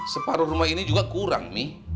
separoh rumah ini juga kurang mi